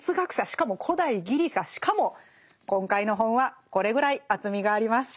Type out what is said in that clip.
しかも古代ギリシャしかも今回の本はこれぐらい厚みがあります。